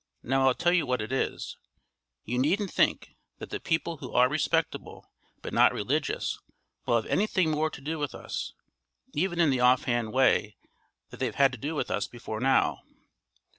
Now I'll tell you what it is; you needn't think that the people who are respectable but not religious will have anything more to do with us, even in the off hand way that they've had to do with us before now.